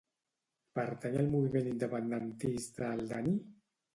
Pertany al moviment independentista el Dani?